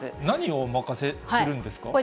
何をお任せするんですか？